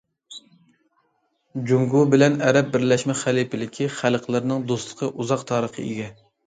جۇڭگو بىلەن ئەرەب بىرلەشمە خەلىپىلىكى خەلقلىرىنىڭ دوستلۇقى ئۇزاق تارىخقا ئىگە.